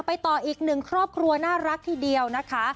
ต่ออีกหนึ่งครอบครัวน่ารักทีเดียวนะคะ